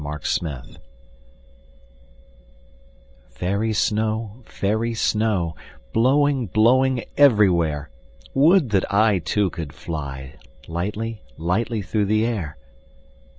Snow Song FAIRY snow, fairy snow, Blowing, blowing everywhere, Would that I Too, could fly Lightly, lightly through the air.